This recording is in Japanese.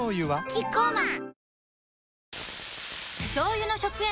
キッコーマン